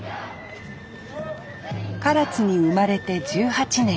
唐津に生まれて１８年。